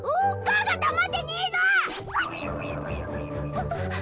あっ。